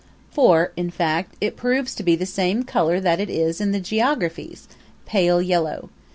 For, in fact, it proves to be the same color that it is in the geographies pale yellow.